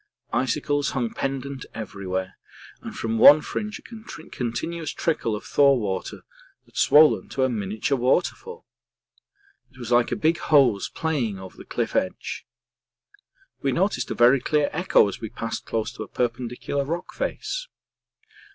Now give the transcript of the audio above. Icicles hung pendant everywhere, and from one fringe a continuous trickle of thaw water had swollen to a miniature waterfall. It was like a big hose playing over the cliff edge. We noticed a very clear echo as we passed close to a perpendicular rock face.